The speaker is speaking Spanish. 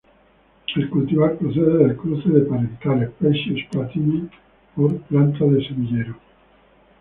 El cultivar procede del cruce de parentales 'Precious Platinum' x planta de semillero.